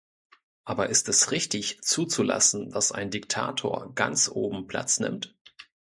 Aber ist es richtig, zuzulassen, dass ein Diktator ganz oben Platz nimmt?